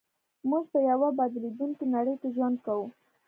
موږ په يوه بدلېدونکې نړۍ کې ژوند کوو.